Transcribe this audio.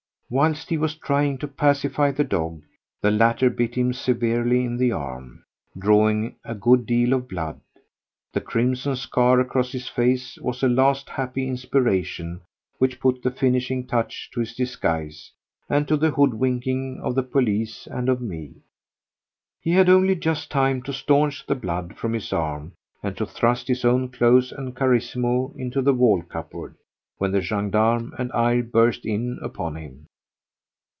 Whilst he was trying to pacify the dog, the latter bit him severely in the arm, drawing a good deal of blood—the crimson scar across his face was a last happy inspiration which put the finishing touch to his disguise and to the hoodwinking of the police and of me. He had only just time to staunch the blood from his arm and to thrust his own clothes and Carissimo into the wall cupboard when the gendarme and I burst in upon him.